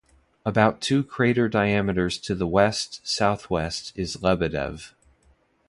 About two crater diameters to the west-southwest is Lebedev.